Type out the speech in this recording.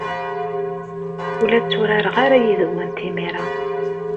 Ur la tturareɣ ara yid-went imir-a.